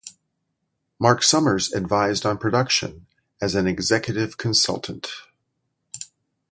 Marc Summers advised on production as an executive consultant.